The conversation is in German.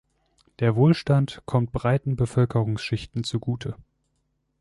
Der Wohlstand kommt breiten Bevölkerungsschichten zugute.